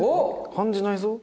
感じないぞ。